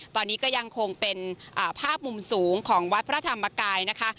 ตอนนี้ก็ยังคงเป็นภาพมุมสูงของวัดพระธรรมกายนะคะ